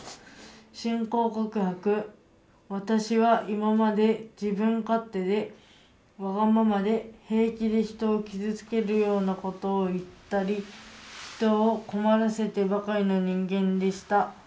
私は今まで自分勝手でわがままでへいきで人をキズつけるような事を言ったり人を困らせてばかりの人間でした。